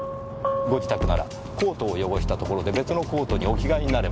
ご自宅ならコートを汚したところで別のコートにお着替えになればいい。